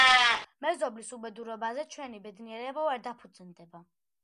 „მეზობლის უბედურებაზე ჩვენი ბედნიერება ვერ დაფუძნდება.“